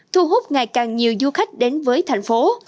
thu hút ngày càng nhiều du khách đến với thành phố